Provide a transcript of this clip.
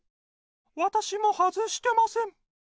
わたしも外してません。